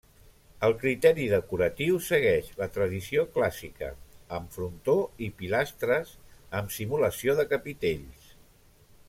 El criteri decoratiu segueix la tradició clàssica, amb frontó i pilastres amb simulació de capitells.